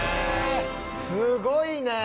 すごいね！